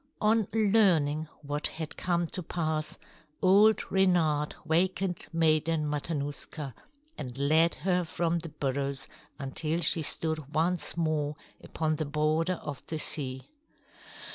On learning what had come to pass, old Reynard wakened Maiden Matanuska and led her from the burrows until she stood once more upon the border of the sea.